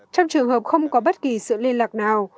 trong trường hợp không có bất kỳ sự liên lạc nào